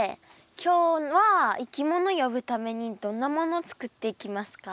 今日はいきもの呼ぶためにどんなもの作っていきますか？